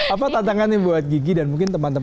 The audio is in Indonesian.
apa tantangannya buat gigi dan mungkin teman teman